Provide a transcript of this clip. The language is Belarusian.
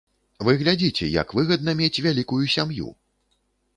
Вы глядзіце, як выгадна мець вялікую сям'ю!